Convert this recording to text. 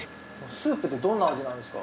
スープってどんな味なんですか？